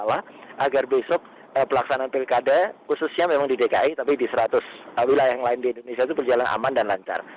agar besok pelaksanaan pilkada khususnya memang di dki tapi di seratus wilayah yang lain di indonesia itu berjalan aman dan lancar